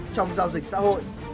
trong giao dịch xã hội